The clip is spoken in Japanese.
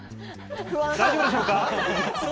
大丈夫でしょうか？